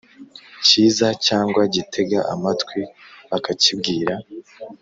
kiza cyangwa gitega amatwi bakakibwira.